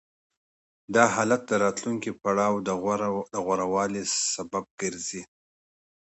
دا حالت د راتلونکي پړاو د غوره والي سبب ګرځي